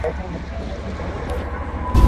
প্রতিষ্ঠান ভবনটি একটি দ্বিতল ভবন।